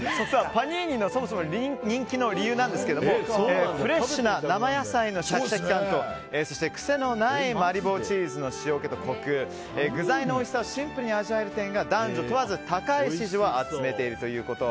パニーニの人気の理由なんですがフレッシュな生野菜のシャキシャキ感とそして癖のないマリボーチーズの塩気とコク具材のおいしさをシンプルに味わえる点が男女問わず高い支持を集めているということ。